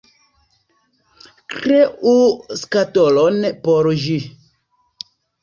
Kreu skatolon por ĝi!